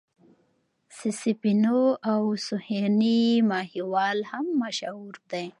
سسي پنو او سوهني ماهيوال هم مشهور دي.